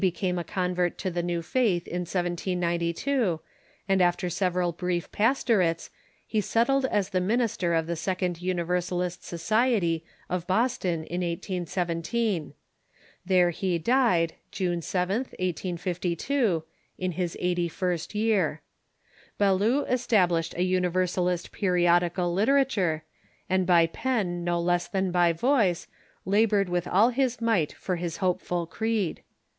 ^^, f came a convert to the new laitii hi 1 /92, and alter several brief pastorates he settled as the minister of the Sec ond Universalist Society of Boston in 1817. There he died, June 7th, 1852, in his eighty first year. Ballou established a Universalist periodical literature, and by pen no less than by voice labored with all his might for his hopeful creed.